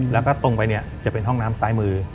แล้วก็ตรงไปเนี่ยจะเป็นห้องน้ำซ้ายมือ